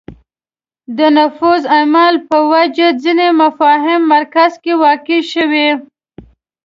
د نفوذ اعمال په وجه ځینې مفاهیم مرکز کې واقع شوې